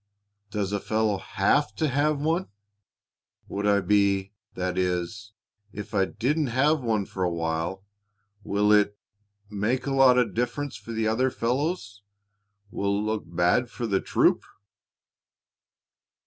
"Does a fellow have to have one? Would I be that is, if I didn't have one for a while, will it make a lot of difference for the other fellows will it look bad for the troop?"